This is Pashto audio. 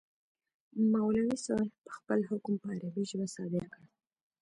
مولوي صاحب خپل حکم په عربي ژبه صادر کړ.